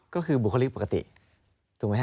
ก็คือบุคลิกปกติถูกไหมฮ